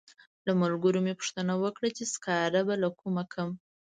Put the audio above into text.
له ملګرو مې پوښتنه وکړه چې سکاره به له کومه کړم.